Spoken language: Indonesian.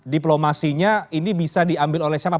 diplomasinya ini bisa diambil oleh siapa